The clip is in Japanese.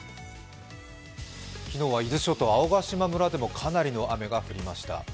昨日は伊豆諸島青ヶ島村でもかなりの雨が降りました。